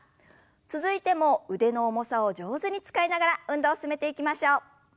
続いても腕の重さを上手に使いながら運動を進めていきましょう。